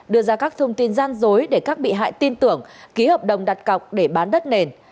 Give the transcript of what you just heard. đưa ra các thông tin gian dối để các bị hại tin tưởng ký hợp đồng đặt cọc để bán đất nền